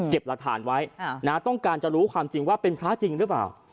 หลักฐานไว้ต้องการจะรู้ความจริงว่าเป็นพระจริงหรือเปล่า